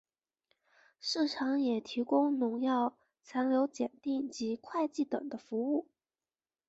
市场也提供农药残留检定及会计等的服务。